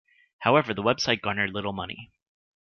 However, the website garnered little money.